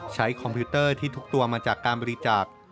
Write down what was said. คอมพิวเตอร์ที่ทุกตัวมาจากการบริจาค